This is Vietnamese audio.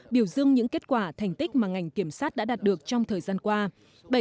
biểu dương những kết quả thành tích mà ngành kiểm sát đã đạt được trong thời gian qua